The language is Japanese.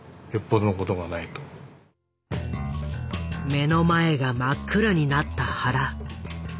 目の前が真っ暗になった原。